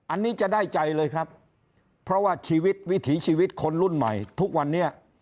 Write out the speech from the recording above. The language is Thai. อันนี้จะได้ใจเลยครับเพราะว่าชีวิตวิถีชีวิตคนรุ่นใหม่ทุกวันนี้